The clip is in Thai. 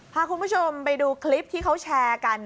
พาคุณผู้ชมไปดูคลิปที่เขาแชร์กัน